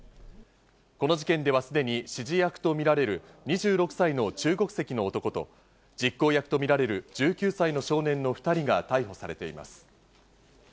この事件では、すでに指示役とみられる２６歳の中国籍の男と、実行役とみられる１９歳の少年の２人が逮捕されています。